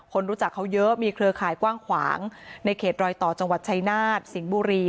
คนรู้จักเขาเยอะมีเครือข่ายกว้างขวางในเขตรอยต่อจังหวัดชายนาฏสิงห์บุรี